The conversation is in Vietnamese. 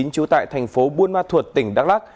trú tại thành phố buôn ma thuột tỉnh đắk lắc